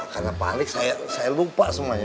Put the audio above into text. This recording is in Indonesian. karena balik saya lupa semuanya